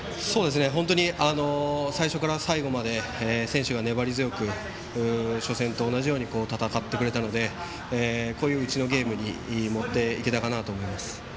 本当に最初から最後まで選手が粘り強く初戦と同じように戦ってくれたのでうちのゲームに持っていけたかなと思います。